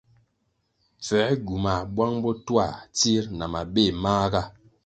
Pfęr gywumah buang botuah tsir na mabéh mahga.